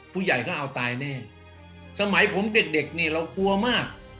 ผู้ใหญ่ก็เอาตายแน่สมัยผมเด็กเด็กนี่เรากลัวมาก